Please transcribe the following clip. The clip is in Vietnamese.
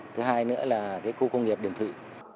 thứ hai nữa là cái khu công nghiệp điểm thị